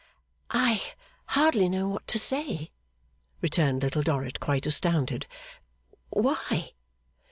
'I hardly know what to say,' returned Little Dorrit, quite astounded. 'Why?